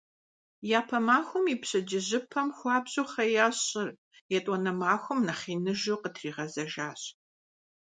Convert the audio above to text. Япэ махуэм и пщэдджыжьыпэм хуабжьу хъеящ щӀыр, етӀуанэ махуэм нэхъ иныжу къытригъэзэжэщ.